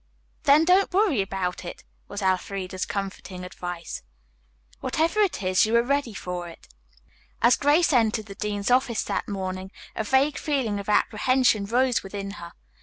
"Then don't worry about it," was Elfreda's comforting advice. "Whatever it is, you are ready for it." As Grace entered the dean's office that morning a vague feeling of apprehension rose within her.